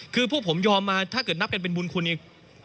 คือพวกผมยอมมาถ้าเกิดนับกันเป็นบุญคุณเอง